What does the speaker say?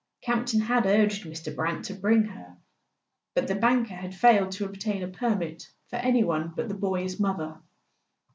Campton had urged Mr. Brant to bring her; but the banker had failed to obtain a permit for any one but the boy's mother.